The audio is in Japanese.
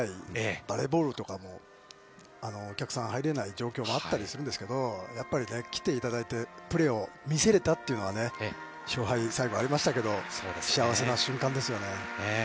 バレーボールとかもお客さんが入れない状況もあったりするんですけど、やっぱり来ていただいて、プレーを見せられたというのは勝敗、最後ありましたけれども、幸せな瞬間ですよね。